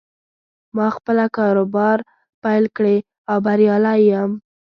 ما خپله کاروبار پیل کړې او بریالی یم